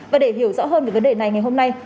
và để hiểu rõ hơn về vấn đề này ngày hôm nay